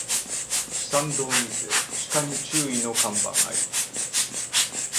山道にて鹿に注意の看板あり